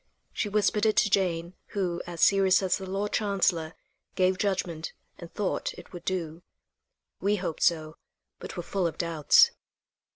She whispered it to Jane, who, as serious as the Lord Chancellor, gave judgment, and "thought it would do." We hoped so, but were full of doubts.